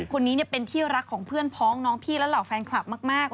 คนนี้เป็นที่รักของเพื่อนพ้องน้องพี่และเหล่าแฟนคลับมาก